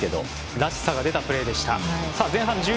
らしさが出たプレーでした。